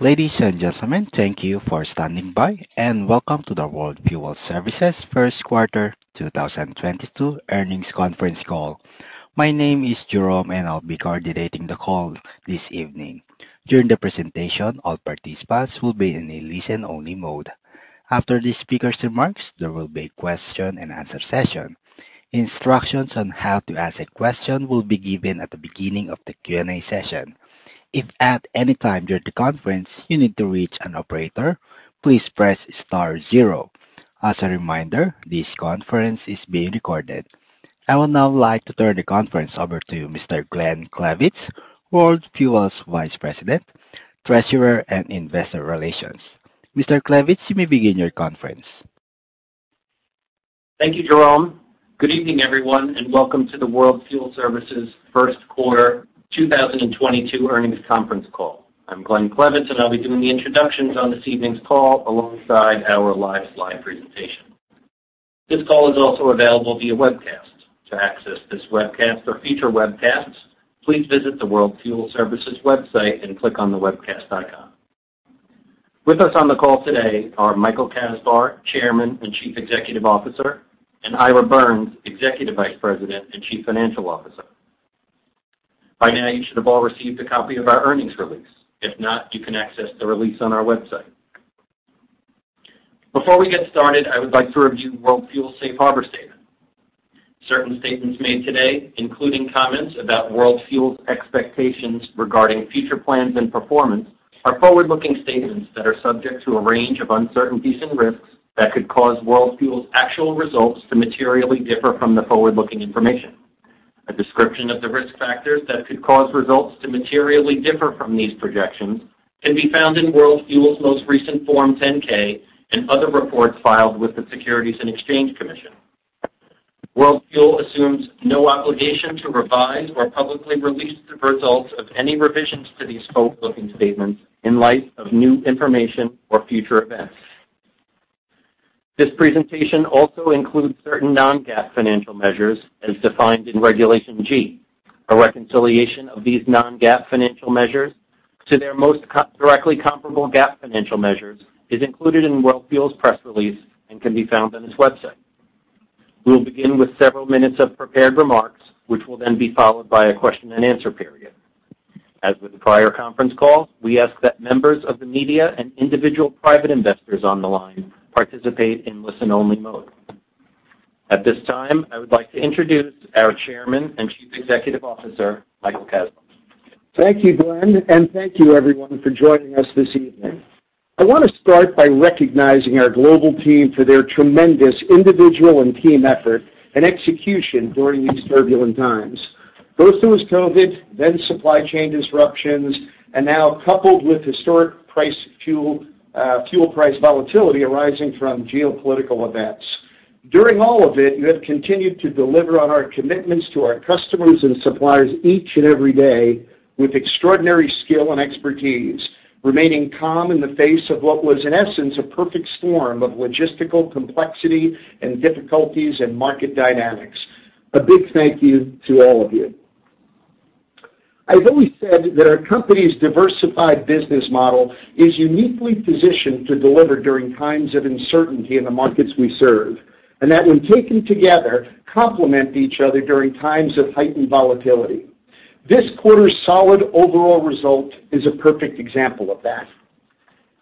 Ladies and gentlemen, thank you for standing by, and welcome to the World Fuel Services First Quarter 2022 Earnings Conference Call. My name is Jerome, and I'll be coordinating the call this evening. During the presentation, all participants will be in a listen-only mode. After the speaker's remarks, there will be a question-and-answer session. Instructions on how to ask a question will be given at the beginning of the Q&A session. If at any time during the conference you need to reach an operator, please press star zero. As a reminder, this conference is being recorded. I would now like to turn the conference over to Mr. Glenn Klevitz, World Fuel's Vice President, Treasurer, and Investor Relations. Mr. Klevitz, you may begin your conference. Thank you, Jerome. Good evening, everyone, and welcome to the World Fuel Services first quarter 2022 earnings conference call. I'm Glenn Klevitz, and I'll be doing the introductions on this evening's call alongside our live slide presentation. This call is also available via webcast. To access this webcast or future webcasts, please visit the World Fuel Services website and click on the webcast icon. With us on the call today are Michael Kasbar, Chairman and Chief Executive Officer, and Ira Birns, Executive Vice President and Chief Financial Officer. By now you should have all received a copy of our earnings release. If not, you can access the release on our website. Before we get started, I would like to review World Fuel's safe harbor statement. Certain statements made today, including comments about World Fuel's expectations regarding future plans and performance, are forward-looking statements that are subject to a range of uncertainties and risks that could cause World Fuel's actual results to materially differ from the forward-looking information. A description of the risk factors that could cause results to materially differ from these projections can be found in World Fuel's most recent Form 10-K and other reports filed with the Securities and Exchange Commission. World Fuel assumes no obligation to revise or publicly release the results of any revisions to these forward-looking statements in light of new information or future events. This presentation also includes certain non-GAAP financial measures as defined in Regulation G. A reconciliation of these non-GAAP financial measures to their most directly comparable GAAP financial measures is included in World Fuel's press release and can be found on its website. We will begin with several minutes of prepared remarks, which will then be followed by a question-and-answer period. As with prior conference calls, we ask that members of the media and individual private investors on the line participate in listen-only mode. At this time, I would like to introduce our Chairman and Chief Executive Officer, Michael Kasbar. Thank you, Glenn, and thank you everyone for joining us this evening. I want to start by recognizing our global team for their tremendous individual and team effort and execution during these turbulent times, both through COVID, then supply chain disruptions, and now coupled with historic fuel price volatility arising from geopolitical events. During all of it, you have continued to deliver on our commitments to our customers and suppliers each and every day with extraordinary skill and expertise, remaining calm in the face of what was, in essence, a perfect storm of logistical complexity and difficulties in market dynamics. A big thank you to all of you. I've always said that our company's diversified business model is uniquely positioned to deliver during times of uncertainty in the markets we serve, and that when taken together, complement each other during times of heightened volatility. This quarter's solid overall result is a perfect example of that.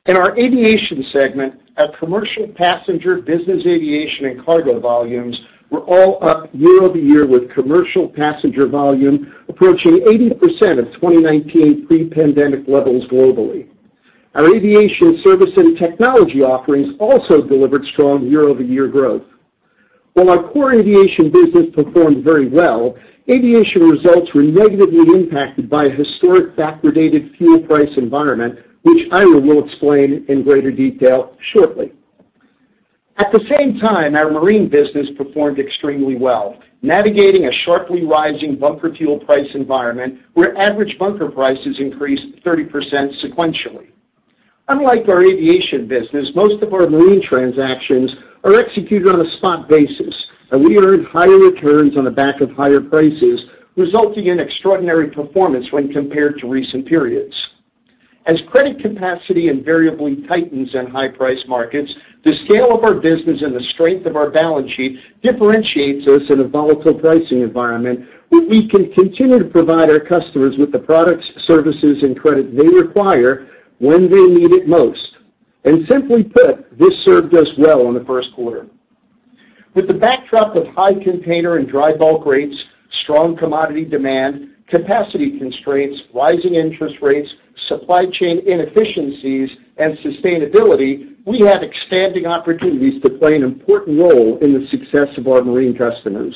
In our aviation segment, our commercial passenger, business aviation, and cargo volumes were all up year-over-year, with commercial passenger volume approaching 80% of 2019 pre-pandemic levels globally. Our aviation service and technology offerings also delivered strong year-over-year growth. While our core aviation business performed very well, aviation results were negatively impacted by a historic backwardated fuel price environment, which Ira will explain in greater detail shortly. At the same time, our marine business performed extremely well, navigating a sharply rising bunker fuel price environment where average bunker prices increased 30% sequentially. Unlike our aviation business, most of our marine transactions are executed on a spot basis, and we earn higher returns on the back of higher prices, resulting in extraordinary performance when compared to recent periods. As credit capacity invariably tightens in high-price markets, the scale of our business and the strength of our balance sheet differentiates us in a volatile pricing environment. We can continue to provide our customers with the products, services, and credit they require when they need it most. Simply put, this served us well in the first quarter. With the backdrop of high container and dry bulk rates, strong commodity demand, capacity constraints, rising interest rates, supply chain inefficiencies, and sustainability, we have expanding opportunities to play an important role in the success of our marine customers.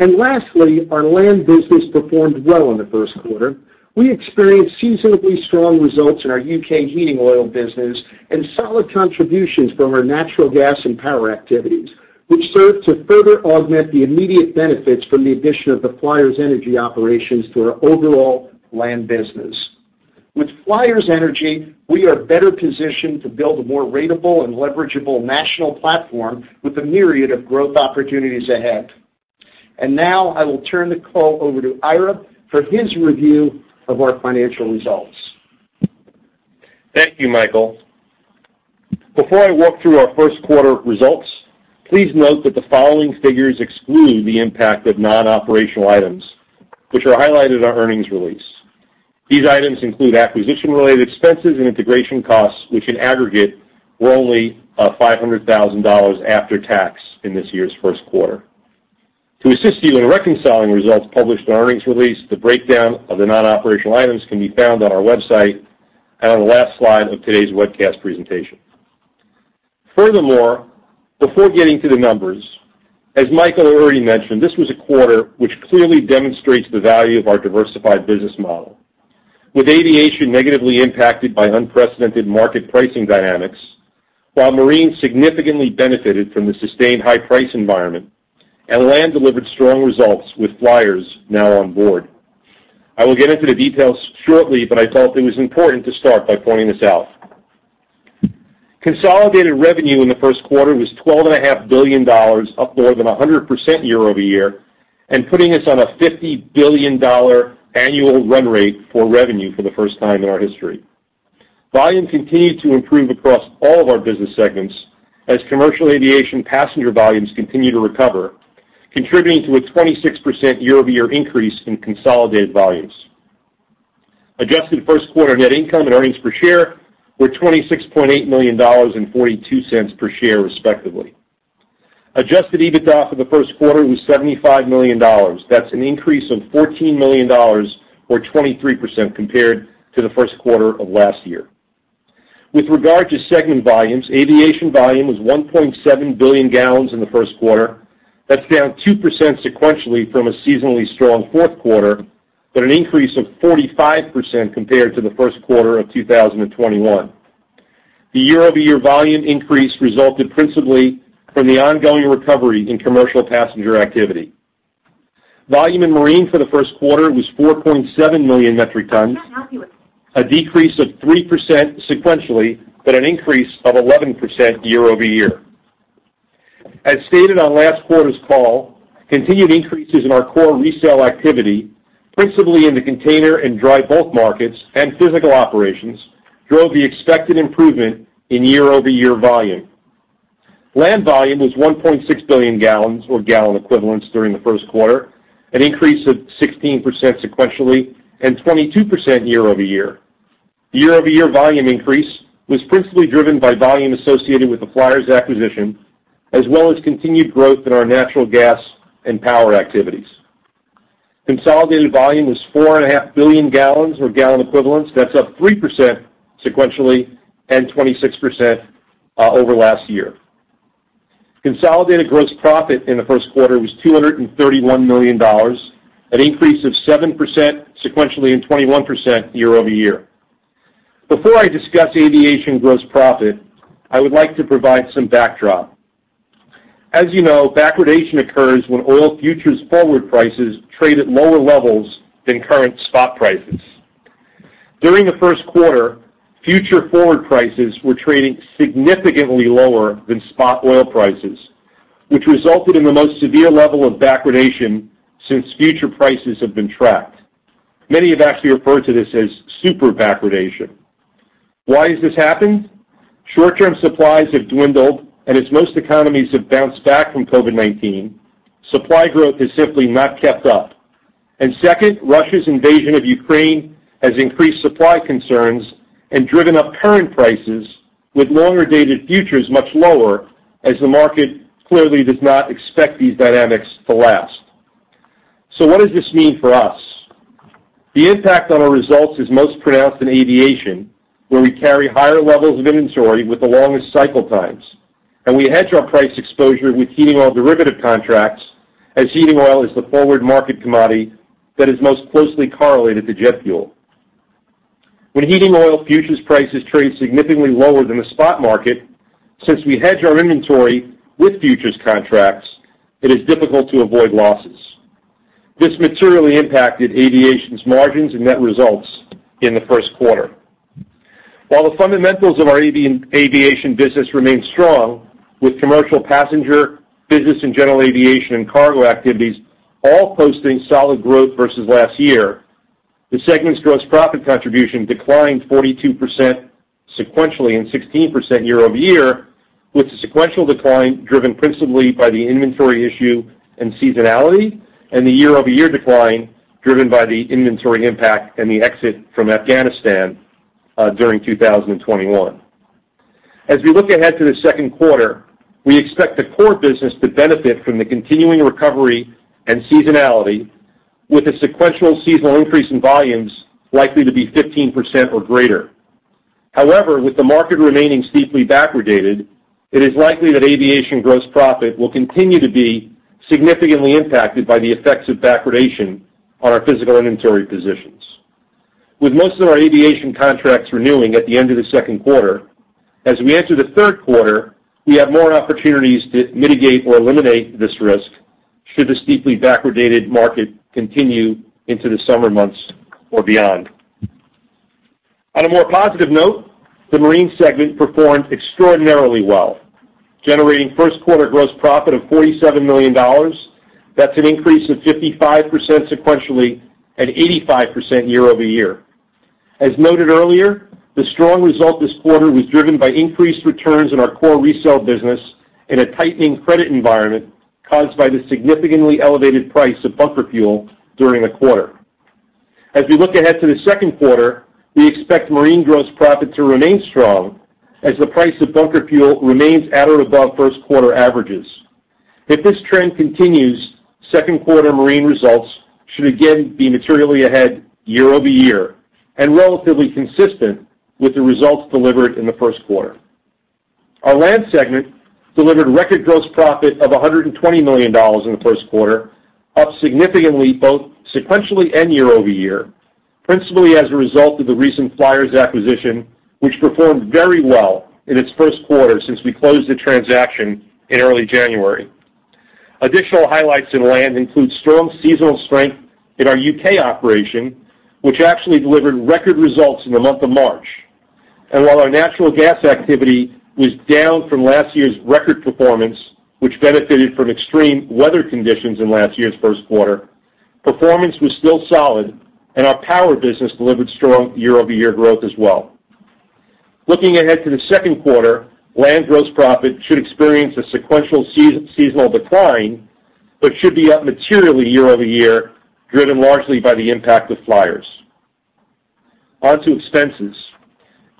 Lastly, our land business performed well in the first quarter. We experienced seasonally strong results in our UK heating oil business and solid contributions from our natural gas and power activities, which served to further augment the immediate benefits from the addition of the Flyers Energy Group operations to our overall land business. With Flyers Energy Group, we are better positioned to build a more ratable and leverageable national platform with a myriad of growth opportunities ahead. Now I will turn the call over to Ira for his review of our financial results. Thank you, Michael. Before I walk through our first quarter results, please note that the following figures exclude the impact of non-operational items, which are highlighted in our earnings release. These items include acquisition-related expenses and integration costs, which in aggregate were only $500,000 after tax in this year's first quarter. To assist you in reconciling results published in our earnings release, the breakdown of the non-operational items can be found on our website and on the last slide of today's webcast presentation. Furthermore, before getting to the numbers, as Michael already mentioned, this was a quarter which clearly demonstrates the value of our diversified business model. With aviation negatively impacted by unprecedented market pricing dynamics, while marine significantly benefited from the sustained high price environment, and land delivered strong results with Flyers now on board. I will get into the details shortly, but I thought it was important to start by pointing this out. Consolidated revenue in the first quarter was $12.5 billion, up more than 100% year over year, and putting us on a $50 billion annual run rate for revenue for the first time in our history. Volume continued to improve across all of our business segments as commercial aviation passenger volumes continue to recover, contributing to a 26% year-over-year increase in consolidated volumes. Adjusted first quarter net income and earnings per share were $26.8 million and $0.42 per share, respectively. Adjusted EBITDA for the first quarter was $75 million. That's an increase of $14 million or 23% compared to the first quarter of last year. With regard to segment volumes, aviation volume was 1.7 billion gallons in the first quarter. That's down 2% sequentially from a seasonally strong fourth quarter, but an increase of 45% compared to the first quarter of 2021. The year-over-year volume increase resulted principally from the ongoing recovery in commercial passenger activity. Volume in marine for the first quarter was 4.7 million metric tons, a decrease of 3% sequentially, but an increase of 11% year over year. As stated on last quarter's call, continued increases in our core resale activity, principally in the container and dry bulk markets and physical operations, drove the expected improvement in year-over-year volume. Land volume was 1.6 billion gallons or gallon equivalents during the first quarter, an increase of 16% sequentially and 22% year over year. Year-over-year volume increase was principally driven by volume associated with the Flyers acquisition, as well as continued growth in our natural gas and power activities. Consolidated volume was 4.5 billion gallons or gallon equivalents. That's up 3% sequentially and 26% over last year. Consolidated gross profit in the first quarter was $231 million, an increase of 7% sequentially and 21% year-over-year. Before I discuss aviation gross profit, I would like to provide some backdrop. As you know, backwardation occurs when oil futures forward prices trade at lower levels than current spot prices. During the first quarter, futures forward prices were trading significantly lower than spot oil prices, which resulted in the most severe level of backwardation since futures prices have been tracked. Many have actually referred to this as super backwardation. Why has this happened? Short-term supplies have dwindled, and as most economies have bounced back from COVID-19, supply growth has simply not kept up. Second, Russia's invasion of Ukraine has increased supply concerns and driven up current prices with longer-dated futures much lower as the market clearly does not expect these dynamics to last. What does this mean for us? The impact on our results is most pronounced in aviation, where we carry higher levels of inventory with the longest cycle times, and we hedge our price exposure with heating oil derivative contracts as heating oil is the forward market commodity that is most closely correlated to jet fuel. When heating oil futures prices trade significantly lower than the spot market, since we hedge our inventory with futures contracts, it is difficult to avoid losses. This materially impacted aviation's margins and net results in the first quarter. While the fundamentals of our aviation business remain strong with commercial passenger, business and general aviation, and cargo activities all posting solid growth versus last year, the segment's gross profit contribution declined 42% sequentially and 16% year-over-year, with the sequential decline driven principally by the inventory issue and seasonality, and the year-over-year decline driven by the inventory impact and the exit from Afghanistan during 2021. As we look ahead to the second quarter, we expect the core business to benefit from the continuing recovery and seasonality, with a sequential seasonal increase in volumes likely to be 15% or greater. However, with the market remaining steeply backwardated, it is likely that aviation gross profit will continue to be significantly impacted by the effects of backwardation on our physical inventory positions. With most of our aviation contracts renewing at the end of the second quarter, as we enter the third quarter, we have more opportunities to mitigate or eliminate this risk should the steeply backwardated market continue into the summer months or beyond. On a more positive note, the Marine segment performed extraordinarily well, generating first quarter gross profit of $47 million. That's an increase of 55% sequentially and 85% year-over-year. As noted earlier, the strong result this quarter was driven by increased returns in our core resale business in a tightening credit environment caused by the significantly elevated price of bunker fuel during the quarter. As we look ahead to the second quarter, we expect Marine gross profit to remain strong as the price of bunker fuel remains at or above first quarter averages. If this trend continues, second quarter Marine results should again be materially ahead year-over-year and relatively consistent with the results delivered in the first quarter. Our land segment delivered record gross profit of $120 million in the first quarter, up significantly both sequentially and year-over-year, principally as a result of the recent Flyers acquisition, which performed very well in its first quarter since we closed the transaction in early January. Additional highlights in land include strong seasonal strength in our U.K. operation, which actually delivered record results in the month of March. While our natural gas activity was down from last year's record performance, which benefited from extreme weather conditions in last year's first quarter, performance was still solid, and our power business delivered strong year-over-year growth as well. Looking ahead to the second quarter, land gross profit should experience a sequential seasonal decline, but should be up materially year over year, driven largely by the impact of Flyers. On to expenses.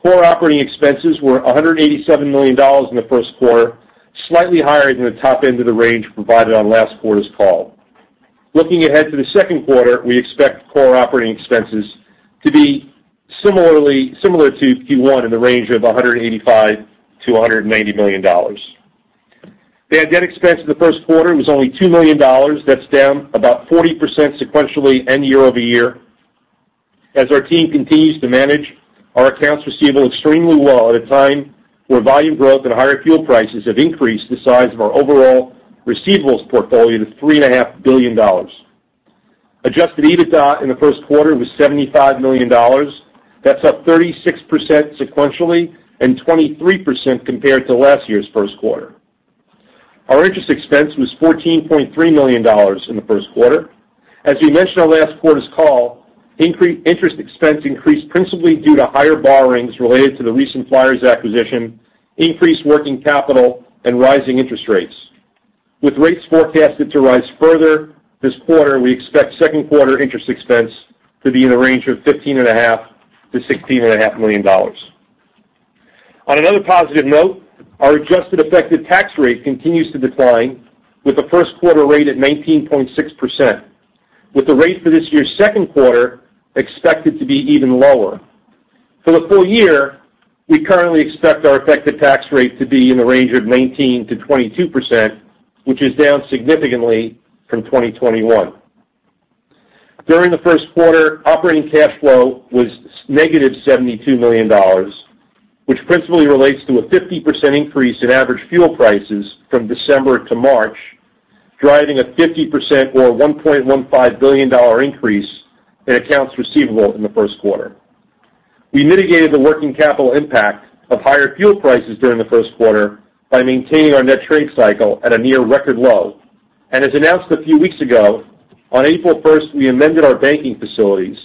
Core operating expenses were $187 million in the first quarter, slightly higher than the top end of the range provided on last quarter's call. Looking ahead to the second quarter, we expect core operating expenses to be similar to Q1 in the range of $185 million-$190 million. The debt expense in the first quarter was only $2 million. That's down about 40% sequentially and year-over-year. Our team continues to manage our accounts receivable extremely well at a time where volume growth and higher fuel prices have increased the size of our overall receivables portfolio to $3.5 billion. Adjusted EBITDA in the first quarter was $75 million. That's up 36% sequentially and 23% compared to last year's first quarter. Our interest expense was $14.3 million in the first quarter. As we mentioned on last quarter's call, interest expense increased principally due to higher borrowings related to the recent Flyers acquisition, increased working capital, and rising interest rates. With rates forecasted to rise further this quarter, we expect second quarter interest expense to be in the range of $15.5 million-$16.5 million. On another positive note, our adjusted effective tax rate continues to decline with the first quarter rate at 19.6%, with the rate for this year's second quarter expected to be even lower. For the full year, we currently expect our effective tax rate to be in the range of 19%-22%, which is down significantly from 2021. During the first quarter, operating cash flow was negative $72 million, which principally relates to a 50% increase in average fuel prices from December to March, driving a 50% or $1.15 billion increase in accounts receivable in the first quarter. We mitigated the working capital impact of higher fuel prices during the first quarter by maintaining our net trade cycle at a near record low. As announced a few weeks ago, on April 1, we amended our banking facilities,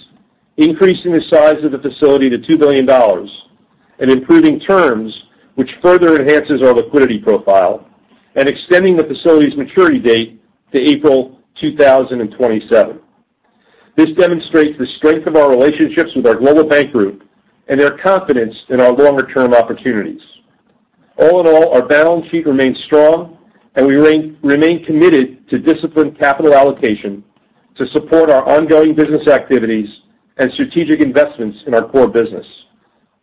increasing the size of the facility to $2 billion and improving terms which further enhances our liquidity profile and extending the facility's maturity date to April 2027. This demonstrates the strength of our relationships with our global bank group and their confidence in our longer-term opportunities. All in all, our balance sheet remains strong, and we remain committed to disciplined capital allocation to support our ongoing business activities and strategic investments in our core business,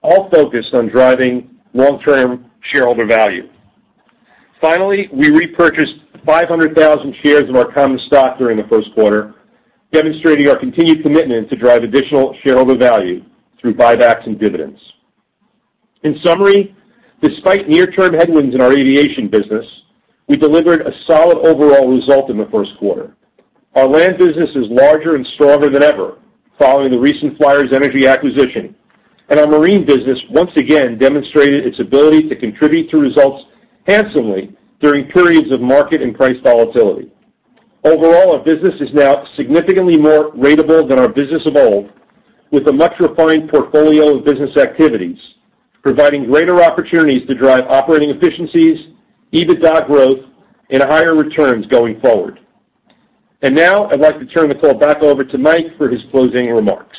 all focused on driving long-term shareholder value. Finally, we repurchased 500,000 shares of our common stock during the first quarter, demonstrating our continued commitment to drive additional shareholder value through buybacks and dividends. In summary, despite near-term headwinds in our aviation business, we delivered a solid overall result in the first quarter. Our land business is larger and stronger than ever following the recent Flyers Energy acquisition, and our marine business once again demonstrated its ability to contribute to results handsomely during periods of market and price volatility. Overall, our business is now significantly more ratable than our business of old, with a much refined portfolio of business activities, providing greater opportunities to drive operating efficiencies, EBITDA growth, and higher returns going forward. Now, I'd like to turn the call back over to Mike for his closing remarks.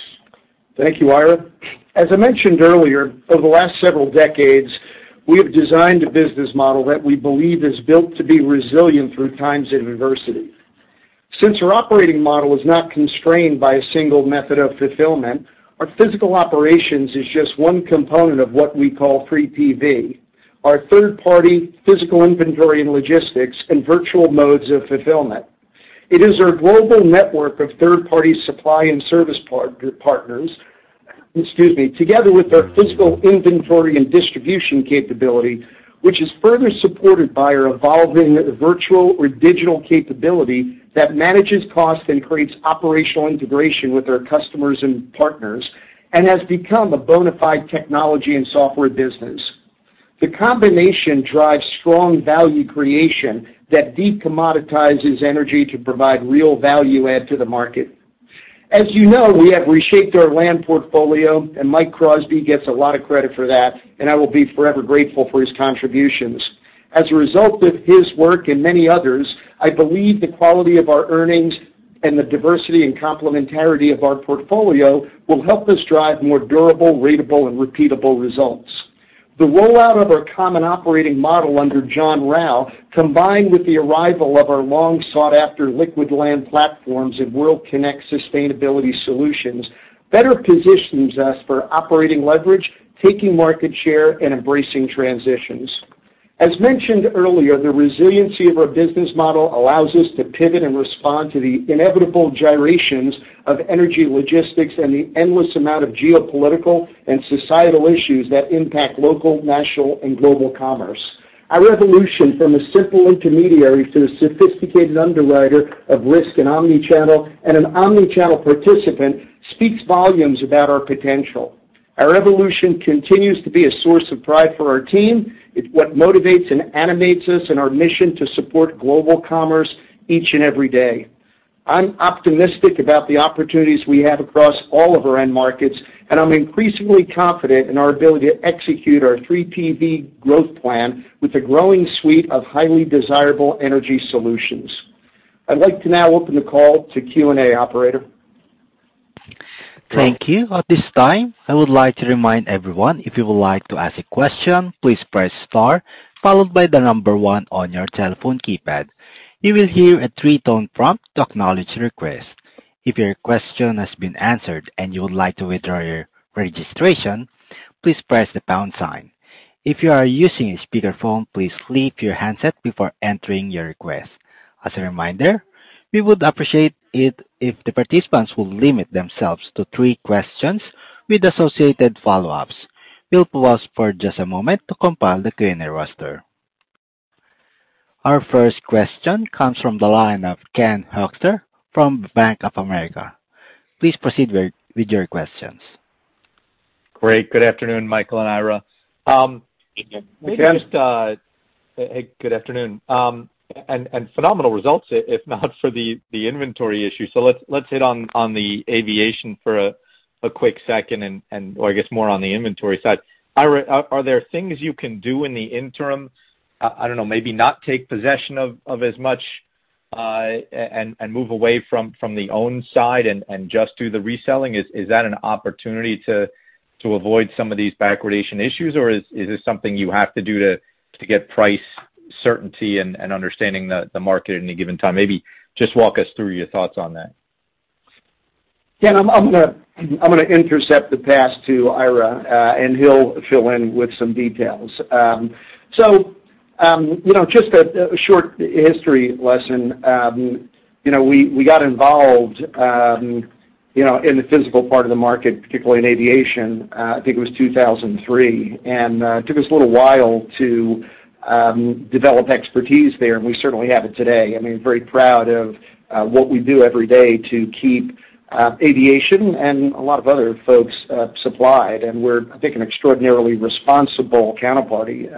Thank you, Ira. As I mentioned earlier, over the last several decades, we have designed a business model that we believe is built to be resilient through times of adversity. Since our operating model is not constrained by a single method of fulfillment, our physical operations is just one component of what we call 3PV, our third-party physical inventory and logistics and virtual modes of fulfillment. It is our global network of third-party supply and service partners, excuse me, together with our physical inventory and distribution capability, which is further supported by our evolving virtual or digital capability that manages cost and creates operational integration with our customers and partners and has become a bona fide technology and software business. The combination drives strong value creation that decommoditizes energy to provide real value add to the market. As you know, we have reshaped our land portfolio, and Mike Crosby gets a lot of credit for that, and I will be forever grateful for his contributions. As a result of his work and many others, I believe the quality of our earnings and the diversity and complementarity of our portfolio will help us drive more durable, ratable and repeatable results. The rollout of our common operating model under John Rau, combined with the arrival of our long sought after liquid land platforms and World Kinect sustainability solutions, better positions us for operating leverage, taking market share and embracing transitions. As mentioned earlier, the resiliency of our business model allows us to pivot and respond to the inevitable gyrations of energy logistics and the endless amount of geopolitical and societal issues that impact local, national and global commerce. Our evolution from a simple intermediary to a sophisticated underwriter of risk and omni-channel and an omni-channel participant speaks volumes about our potential. Our evolution continues to be a source of pride for our team. It's what motivates and animates us in our mission to support global commerce each and every day. I'm optimistic about the opportunities we have across all of our end markets, and I'm increasingly confident in our ability to execute our 3PV growth plan with a growing suite of highly desirable energy solutions. I'd like to now open the call to Q&A, operator. Thank you. At this time, I would like to remind everyone, if you would like to ask a question, please press star followed by the number one on your telephone keypad. You will hear a three-tone prompt to acknowledge the request. If your question has been answered and you would like to withdraw your registration, please press the pound sign. If you are using a speakerphone, please leave your handset before entering your request. As a reminder, we would appreciate it if the participants will limit themselves to three questions with associated follow-ups. We'll pause for just a moment to compile the Q&A roster. Our first question comes from the line of Ken Hoexter from Bank of America. Please proceed with your questions. Great. Good afternoon, Michael and Ira. Ken. Hey, good afternoon. Phenomenal results, if not for the inventory issue. Let's hit on the aviation for a quick second and, or I guess more on the inventory side. Ira, are there things you can do in the interim? I don't know, maybe not take possession of as much and move away from the own side and just do the reselling? Is that an opportunity to avoid some of these backwardation issues? Or is this something you have to do to get price certainty and understanding the market at any given time? Maybe just walk us through your thoughts on that. Ken, I'm gonna intercept the pass to Ira, and he'll fill in with some details. You know, just a short history lesson. You know, we got involved, you know, in the physical part of the market, particularly in aviation, I think it was 2003. It took us a little while to develop expertise there, and we certainly have it today. I mean, very proud of what we do every day to keep aviation and a lot of other folks supplied. We're, I think, an extraordinarily responsible counterparty.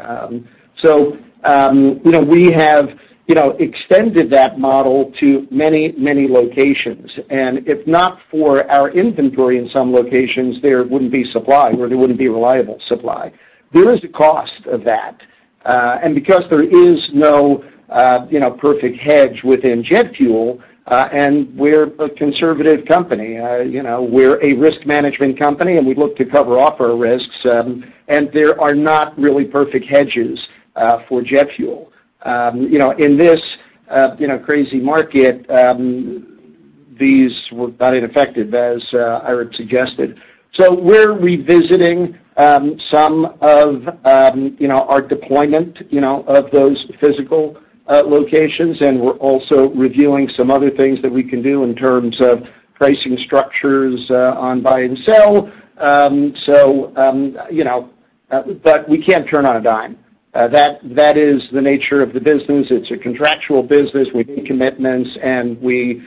You know, we have, you know, extended that model to many, many locations. If not for our inventory in some locations, there wouldn't be supply, or there wouldn't be reliable supply. There is a cost of that, and because there is no, you know, perfect hedge within jet fuel, and we're a conservative company. You know, we're a risk management company, and we look to cover off our risks. There are not really perfect hedges for jet fuel. You know, in this, you know, crazy market, these were about as ineffective, as Ira suggested. We're revisiting some of, you know, our deployment, you know, of those physical locations, and we're also reviewing some other things that we can do in terms of pricing structures on buy and sell. You know, we can't turn on a dime. That is the nature of the business. It's a contractual business. We make commitments and we,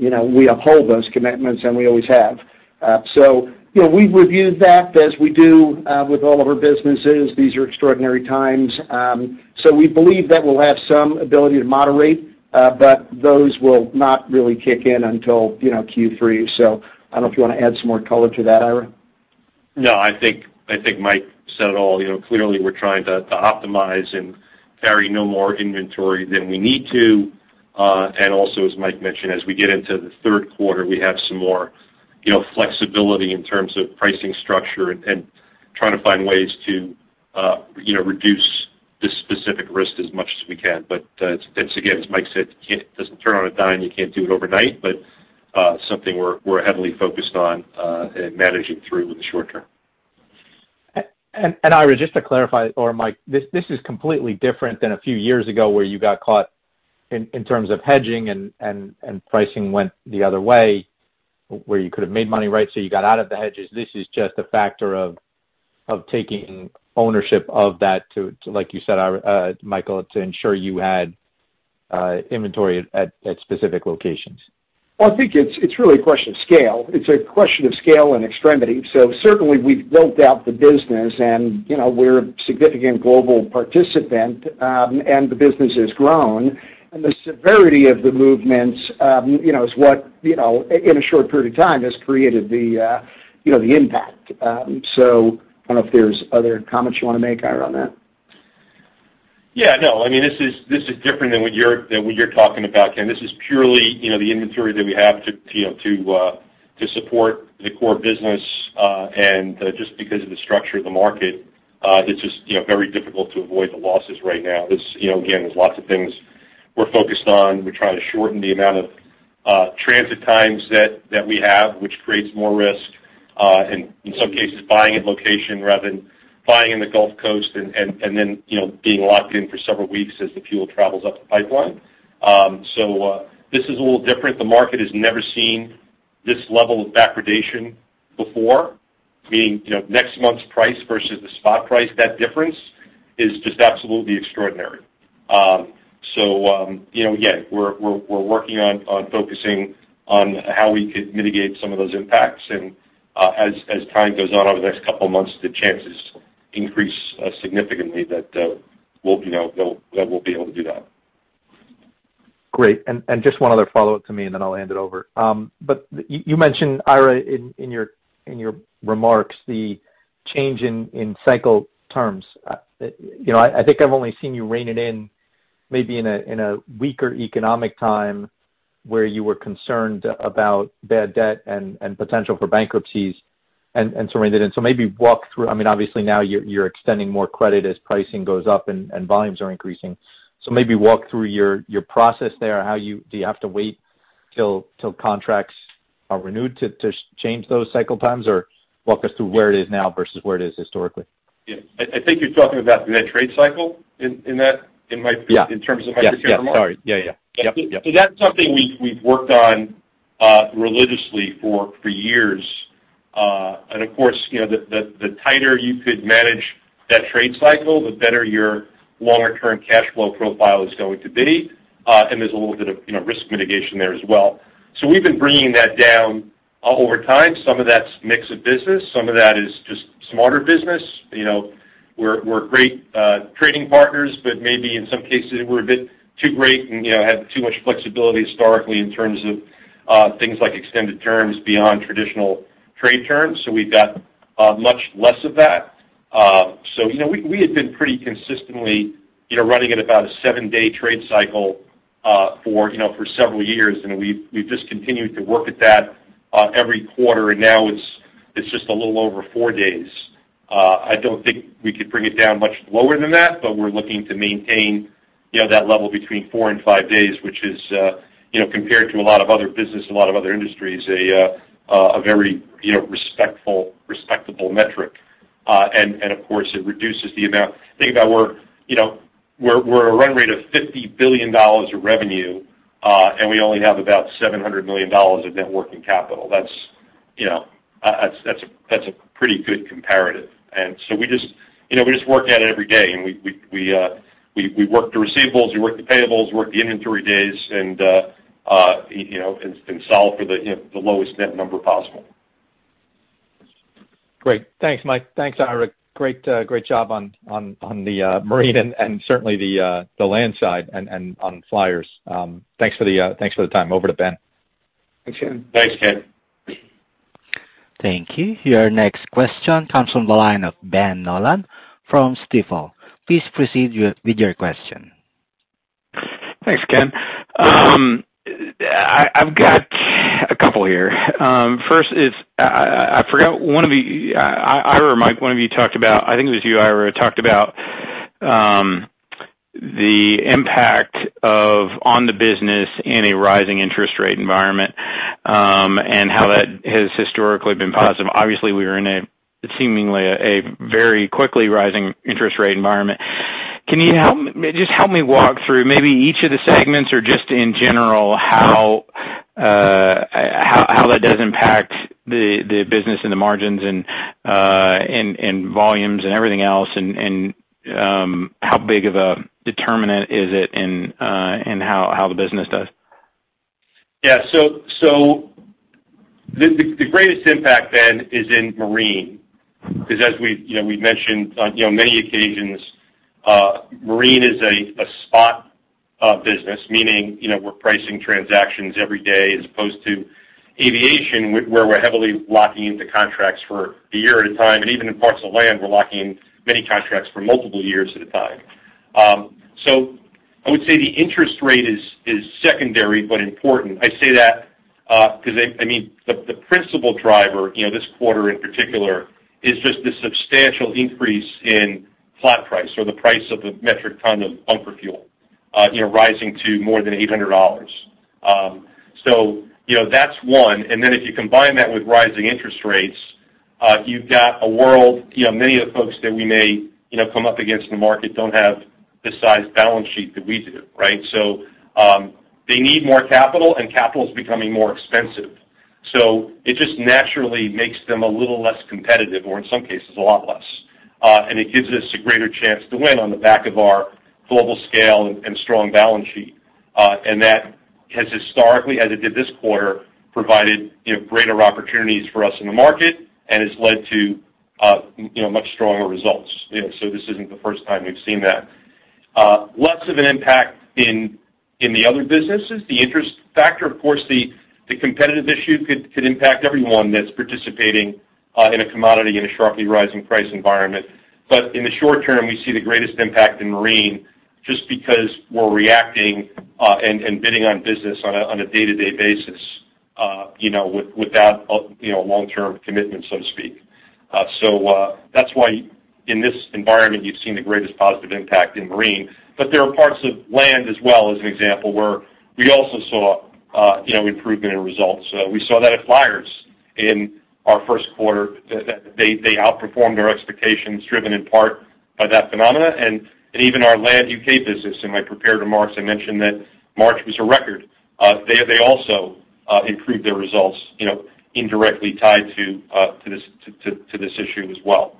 you know, we uphold those commitments, and we always have. You know, we've reviewed that as we do with all of our businesses. These are extraordinary times. We believe that we'll have some ability to moderate, but those will not really kick in until, you know, Q3. I don't know if you wanna add some more color to that, Ira. No, I think Mike said it all. You know, clearly we're trying to optimize and carry no more inventory than we need to. Also, as Mike mentioned, as we get into the third quarter, we have some more, you know, flexibility in terms of pricing structure and trying to find ways to, you know, reduce this specific risk as much as we can. Once again, as Mike said, doesn't turn on a dime. You can't do it overnight, but something we're heavily focused on and managing through in the short term. Ira, just to clarify, or Mike, this is completely different than a few years ago where you got caught in terms of hedging and pricing went the other way, where you could have made money, right? You got out of the hedges. This is just a factor of taking ownership of that to, like you said, Ira, Michael, to ensure you had inventory at specific locations. Well, I think it's really a question of scale. It's a question of scale and extremity. Certainly, we've built out the business, and, you know, we're a significant global participant, and the business has grown. The severity of the movements, you know, is what, you know, in a short period of time has created the, you know, the impact. I don't know if there's other comments you wanna make, Ira, on that. Yeah, no. I mean, this is different than what you're talking about, Ken. This is purely, you know, the inventory that we have to, you know, to support the core business. Just because of the structure of the market, it's just, you know, very difficult to avoid the losses right now. This, you know, again, there's lots of things we're focused on. We're trying to shorten the amount of transit times that we have, which creates more risk. In some cases, buying in location rather than buying in the Gulf Coast and then, you know, being locked in for several weeks as the fuel travels up the pipeline. This is a little different. The market has never seen this level of backwardation before, meaning, you know, next month's price versus the spot price, that difference is just absolutely extraordinary. You know, again, we're working on focusing on how we could mitigate some of those impacts. As time goes on over the next couple of months, the chances increase significantly that we'll, you know, that we'll be able to do that. Great. Just one other follow-up from me, and then I'll hand it over. You mentioned, Ira, in your remarks, the change in cycle terms. You know, I think I've only seen you rein it in maybe in a weaker economic time where you were concerned about bad debt and potential for bankruptcies and surrender it. Maybe walk through. I mean, obviously now you're extending more credit as pricing goes up and volumes are increasing. Maybe walk through your process there. Do you have to wait till contracts are renewed to change those cycle times? Or walk us through where it is now versus where it is historically. Yeah. I think you're talking about the net trade cycle in that, am I- Yeah. In terms of healthcare markets? Yes. Sorry. Yeah. Yep. That's something we've worked on religiously for years. Of course, you know, the tighter you could manage that trade cycle, the better your longer term cash flow profile is going to be. There's a little bit of, you know, risk mitigation there as well. We've been bringing that down over time. Some of that's mix of business, some of that is just smarter business. You know, we're great trading partners, but maybe in some cases we're a bit too great and, you know, have too much flexibility historically in terms of things like extended terms beyond traditional trade terms. We've got much less of that. You know, we had been pretty consistently, you know, running at about a 7-day trade cycle for several years, and we've just continued to work at that every quarter, and now it's just a little over four days. I don't think we could bring it down much lower than that, but we're looking to maintain, you know, that level between four and five days, which is, you know, compared to a lot of other business, a lot of other industries, a very, you know, respectful, respectable metric. Of course, it reduces the amount. Think about, you know, we're a run rate of $50 billion of revenue, and we only have about $700 million of net working capital. That's, you know, a pretty good comparative. We just, you know, work at it every day, and we work the receivables, we work the payables, work the inventory days and, you know, solve for the, you know, the lowest net number possible. Great. Thanks, Mike. Thanks, Ira. Great job on the marine and certainly the land side and on Flyers. Thanks for the time. Over to Ben. Thanks, Ken. Thanks, Ken. Thank you. Your next question comes from the line of Ben Nolan from Stifel. Please proceed with your question. Thanks, Ken. I've got a couple here. First is, I forgot one of you, Ira or Mike, one of you talked about. I think it was you, Ira, talked about the impact on the business in a rising interest rate environment, and how that has historically been positive. Obviously, we are in a seemingly very quickly rising interest rate environment. Can you just help me walk through maybe each of the segments or just in general how that does impact the business and the margins and volumes and everything else. How big of a determinant is it in how the business does? Yeah. The greatest impact then is in marine, 'cause as we've mentioned on many occasions, marine is a spot business, meaning we're pricing transactions every day as opposed to aviation where we're heavily locking into contracts for a year at a time, and even in parts of land, we're locking many contracts for multiple years at a time. I would say the interest rate is secondary but important. I say that 'cause I mean the principal driver this quarter in particular is just the substantial increase in flat price or the price of the metric ton of bunker fuel, rising to more than $800. That's one. If you combine that with rising interest rates, you've got a world, you know, many of the folks that we may, you know, come up against in the market don't have the size balance sheet that we do, right? They need more capital, and capital is becoming more expensive. It just naturally makes them a little less competitive or in some cases, a lot less. It gives us a greater chance to win on the back of our global scale and strong balance sheet. That has historically, as it did this quarter, provided, you know, greater opportunities for us in the market and has led to, you know, much stronger results, you know. This isn't the first time we've seen that. Less of an impact in the other businesses. The interest factor, of course, the competitive issue could impact everyone that's participating in a commodity in a sharply rising price environment. In the short term, we see the greatest impact in marine just because we're reacting and bidding on business on a day-to-day basis, you know, without you know, long-term commitment, so to speak. That's why in this environment you've seen the greatest positive impact in marine. There are parts of land as well as an example, where we also saw improvement in results. We saw that at Flyers in our first quarter, that they outperformed our expectations, driven in part by that phenomena. Even our land UK business, in my prepared remarks, I mentioned that March was a record. They also improved their results, you know, indirectly tied to this issue as well.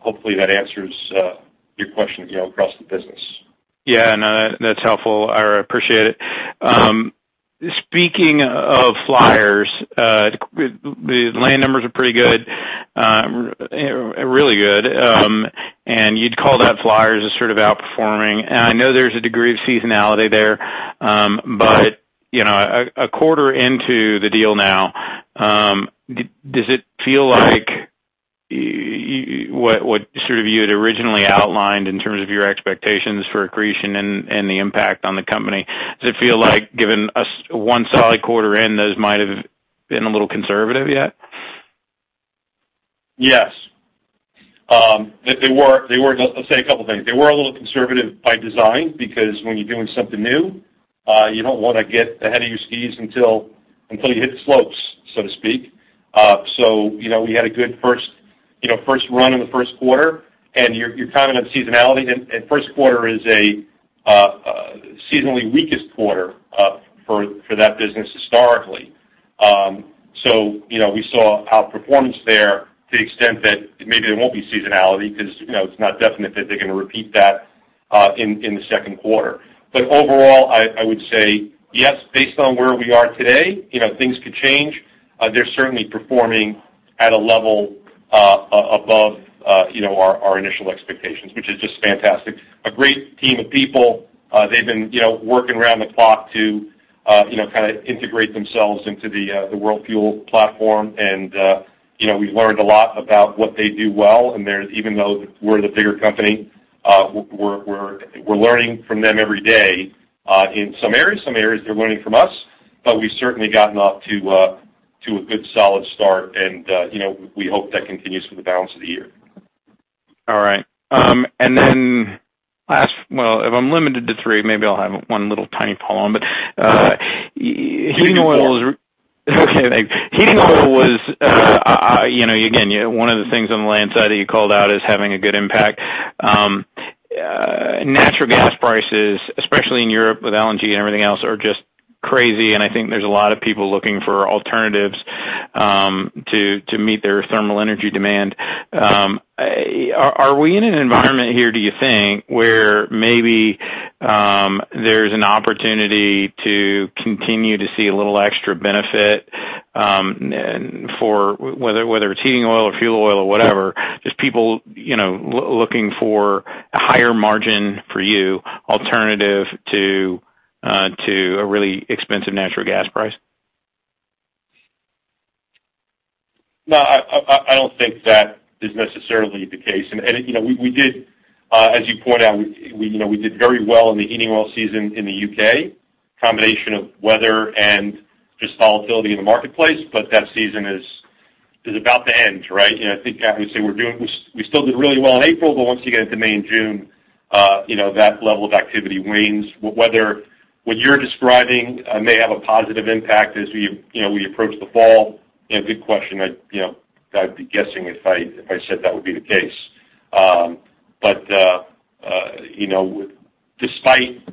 Hopefully, that answers your question, you know, across the business. Yeah, no, that's helpful. I appreciate it. Speaking of Flyers, the land numbers are pretty good, really good. You'd call that Flyers as sort of outperforming. I know there's a degree of seasonality there. You know, a quarter into the deal now, does it feel like what you sort of had originally outlined in terms of your expectations for accretion and the impact on the company? Does it feel like, given one solid quarter in, those might have been a little conservative yet? Yes. They were a little conservative by design, because when you're doing something new, you don't wanna get ahead of your skis until you hit the slopes, so to speak. You know, we had a good first run in the first quarter, and you're commenting on seasonality. First quarter is a seasonally weakest quarter for that business historically. You know, we saw outperformance there to the extent that maybe there won't be seasonality because it's not definite that they're gonna repeat that in the second quarter. Overall, I would say yes, based on where we are today, you know, things could change. They're certainly performing at a level above you know our initial expectations, which is just fantastic. A great team of people. They've been you know working around the clock to you know kinda integrate themselves into the World Fuel platform. You know we've learned a lot about what they do well, and they're even though we're the bigger company, we're learning from them every day in some areas. Some areas, they're learning from us. We've certainly gotten off to a good solid start and you know we hope that continues for the balance of the year. All right. Well, if I'm limited to three, maybe I'll have one little tiny poll. Why heating oil. Heating oil. Okay, thanks. Heating oil was, you know, again, one of the things on the land side that you called out as having a good impact. Natural gas prices, especially in Europe with LNG and everything else, are just crazy, and I think there's a lot of people looking for alternatives to meet their thermal energy demand. Are we in an environment here, do you think, where maybe there's an opportunity to continue to see a little extra benefit, and for whether it's heating oil or fuel oil or whatever, just people, you know, looking for a higher-margin alternative to a really expensive natural gas price? No, I don't think that is necessarily the case. You know, we did, as you point out, very well in the heating oil season in the UK, combination of weather and just volatility in the marketplace. That season is about to end, right? You know, I think I would say we still did really well in April, but once you get into May and June, you know, that level of activity wanes. Whether what you're describing may have a positive impact as we approach the fall, you know, good question. You know, I'd be guessing if I said that would be the case. You know, despite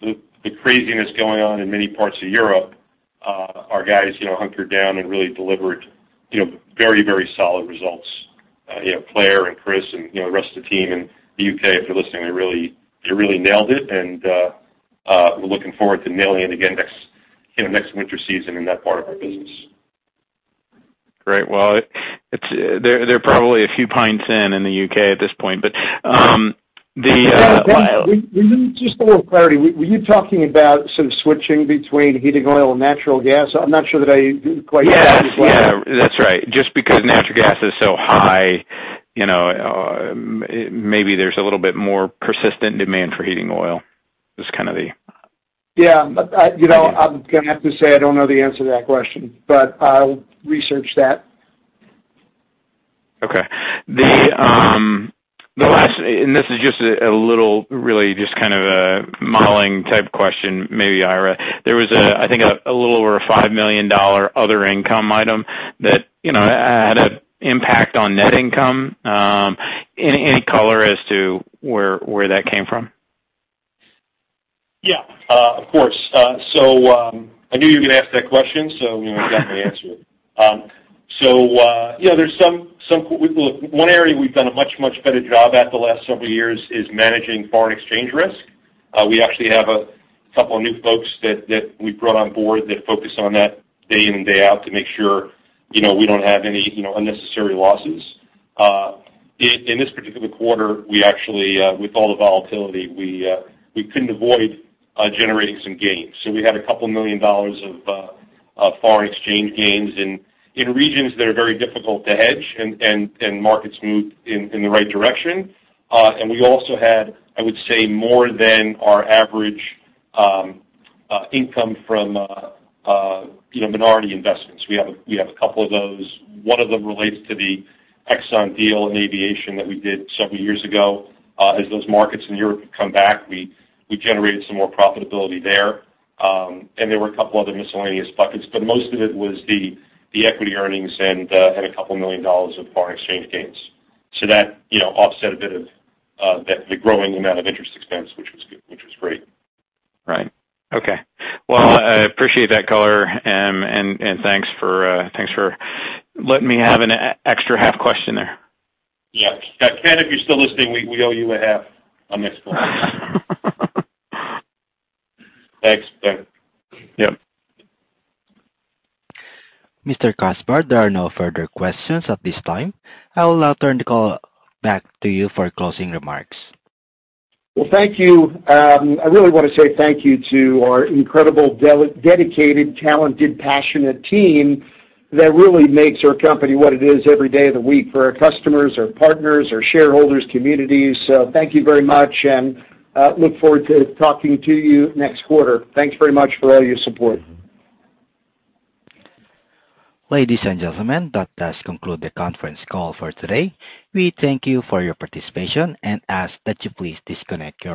the craziness going on in many parts of Europe, our guys, you know, hunkered down and really delivered, you know, very, very solid results. You know, Claire and Chris and, you know, the rest of the team in the UK, if you're listening, they really nailed it, and we're looking forward to nailing it again next, you know, next winter season in that part of our business. Great. Well, they're probably a few pints in the UK at this point. Ben, just a little clarity. Were you talking about sort of switching between heating oil and natural gas? I'm not sure that I quite got it well. Yes. Yeah. That's right. Just because natural gas is so high, you know, maybe there's a little bit more persistent demand for heating oil, is kind of the. Yeah. You know, I'm gonna have to say I don't know the answer to that question, but I'll research that. The last, and this is just a little really just kind of a modeling type question, maybe, Ira. There was, I think, a little over a $5 million other income item that, you know, had an impact on net income. Any color as to where that came from? Yeah, of course. I knew you were gonna ask that question, so, you know, I got my answer. You know, well, one area we've done a much better job at the last several years is managing foreign exchange risk. We actually have a couple of new folks that we brought on board that focus on that day in and day out to make sure, you know, we don't have any, you know, unnecessary losses. In this particular quarter, we actually, with all the volatility, we couldn't avoid generating some gains. We had $2 million of foreign exchange gains in regions that are very difficult to hedge and markets moved in the right direction. We also had, I would say, more than our average income from, you know, minority investments. We have a couple of those. One of them relates to the ExxonMobil deal in aviation that we did several years ago. As those markets in Europe have come back, we generated some more profitability there. There were a couple other miscellaneous buckets, but most of it was the equity earnings and a couple million dollars of foreign exchange gains. That, you know, offset a bit of the growing amount of interest expense, which was good, which was great. Right. Okay. Well, I appreciate that color, and thanks for letting me have an extra half question there. Yeah. Ken, if you're still listening, we owe you a half on this call. Thanks, Ken. Yep. Mr. Kasbar, there are no further questions at this time. I will now turn the call back to you for closing remarks. Well, thank you. I really wanna say thank you to our incredible dedicated, talented, passionate team that really makes our company what it is every day of the week for our customers, our partners, our shareholders, communities. Thank you very much, and look forward to talking to you next quarter. Thanks very much for all your support. Ladies and gentlemen, that does conclude the conference call for today. We thank you for your participation and ask that you please disconnect your lines.